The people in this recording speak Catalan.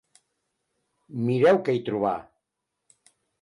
Mireu què hi trobà!